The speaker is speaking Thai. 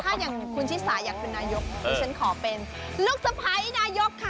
ถ้าอย่างคุณชิสาอยากเป็นนายกดิฉันขอเป็นลูกสะพ้ายนายกค่ะ